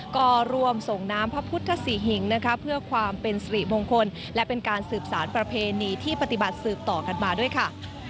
ก็รวมส่งน้ำพระพุทธศรีหิงนะคะเพื่อความเป็นสิริมงคลและเป็นการสืบสารประเพณีที่ปฏิบัติสืบต่อกันมาด้วยค่ะ